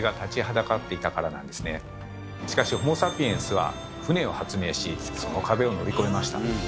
しかしホモ・サピエンスは舟を発明しその壁を乗り越えました。